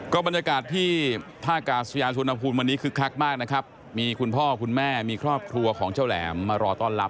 บรรยากาศที่ท่ากาศยานสุนภูมิวันนี้คึกคักมากนะครับมีคุณพ่อคุณแม่มีครอบครัวของเจ้าแหลมมารอต้อนรับ